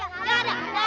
gak ada gak ada